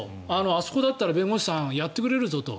あそこだったら弁護士さんやってくれるぞと。